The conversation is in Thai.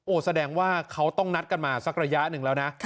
แสดงว่าเขาต้องนัดกันมาสักระยะหนึ่งแล้วนะ